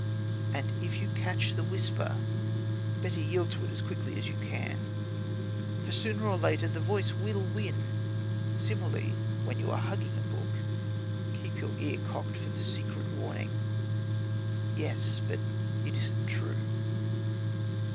And if you catch the whisper, better yield to it as quickly as you can. For sooner or later the voice will win. Similarly, when you are hugging a book, keep your ear cocked for the secret warning: "Yes, but it isn't true."